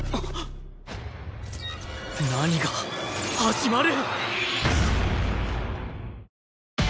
何が始まる！？